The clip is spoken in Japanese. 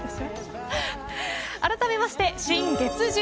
あらためまして新月１０